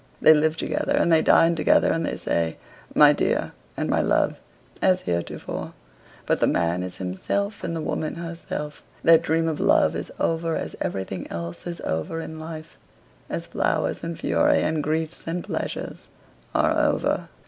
They live together, and they dine together, and they say "my dear" and "my love" as heretofore; but the man is himself, and the woman herself: that dream of love is over as everything else is over in life; as flowers and fury, and griefs and pleasures, are over.